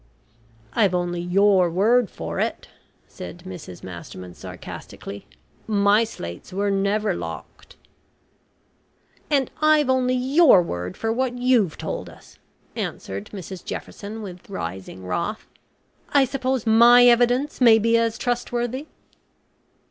"I've only your word for it," said Mrs Masterman sarcastically. "My slates were never locked." "And I've only your word for what you've told us," answered Mrs Jefferson with rising wrath. "I suppose my evidence may be as trustworthy."